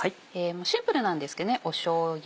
シンプルなんですけどしょうゆ。